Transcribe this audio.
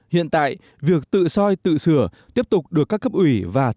hiện tại việc tự soi tự sửa tiếp tục được các cấp ủy và tự do